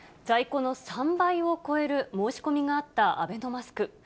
在庫の３倍を超える申し込みがあったアベノマスク。